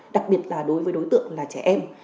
đặc biệt là đối với đối tượng là trẻ em